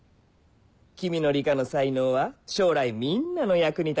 君の理科の才能は将来みんなの役に立ちます